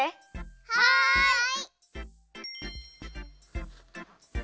はい！